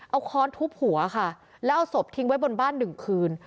เอาค้อนทุบหัวค่ะแล้วเอาศพทิ้งไว้บนบ้านหนึ่งคืน